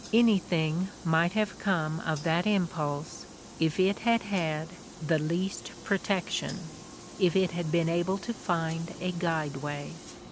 Anything might have come of that impulse if it had had the least pro tection, if it had been able to find a guideway.